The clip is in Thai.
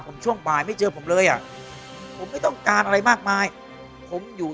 ผมช่วงบ่ายไม่เจอผมเลยอ่ะผมไม่ต้องการอะไรมากมายผมอยู่